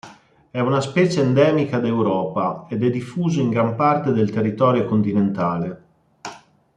È una specie endemica d'Europa, ed è diffuso in gran parte del territorio continentale.